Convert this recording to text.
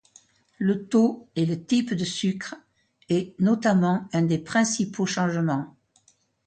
Le taux et le type de sucre est notamment un des principaux changements.